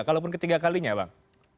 kalaupun ketiga kalinya bang